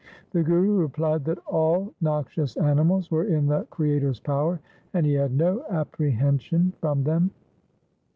The Guru replied, that all noxious animals were in the Creator's power, and he had no apprehension from them.